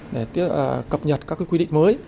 để cập nhật các quy định mới